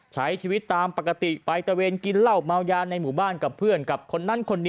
ใช้ชีวิตตามปกติไปทะเวนกินเหล้าเมายาวในหมู่บ้านกับเพื่อน